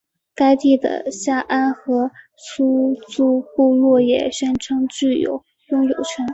该地的夏安河苏族部落也宣称具有拥有权。